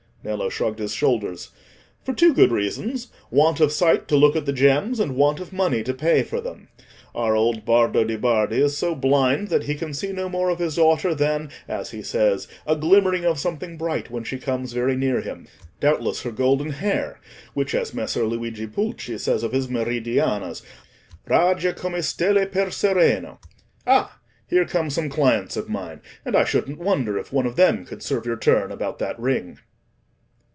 Nello shrugged his shoulders. "For two good reasons—want of sight to look at the gems, and want of money to pay for them. Our old Bardo de' Bardi is so blind that he can see no more of his daughter than, as he says, a glimmering of something bright when she comes very near him: doubtless her golden hair, which, as Messer Luigi Pulci says of his Meridiana's, 'raggia come stella per sereno.' Ah! here come some clients of mine, and I shouldn't wonder if one of them could serve your turn about that ring."